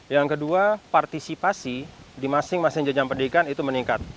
yang kedua partisipasi di masing masing jenjang pendidikan itu meningkat